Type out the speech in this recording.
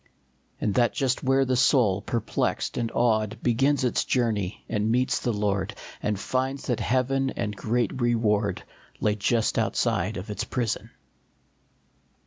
And that just where the soul, perplexed and awed, Begins its journey, it meets the Lord, And finds that heaven and the great reward Lay just outside of its prison